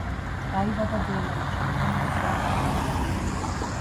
დაიბადა ბეირუთში ლიბანელი სომეხის ოჯახში.